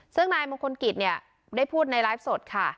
ซึ่งนายมงคลกิจเนี่ยได้พูดในไลฟ์สดค่ะ